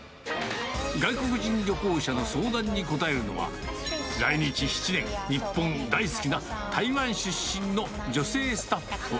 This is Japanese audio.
外国人旅行者の相談に応えるのは、来日７年、日本大好きな台湾出身の女性スタッフ。